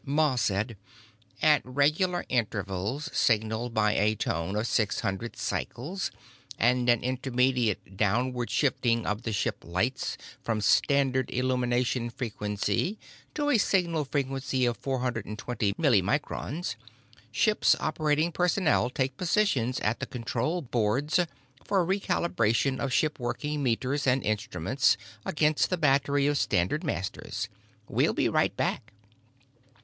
Ma said, "At regular intervals signaled by a tone of six hundred cycles and an intermittent downward shifting of the ship lights from standard illumination frequency to a signal frequency of 420 millimicrons, ship's operating personnel take up positions at the control boards for recalibration of ship working meters and instruments against the battery of standard masters. We'll be right back."